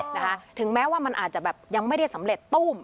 นะคะถึงแม้ว่ามันอาจจะแบบยังไม่ได้สำเร็จตุ้ม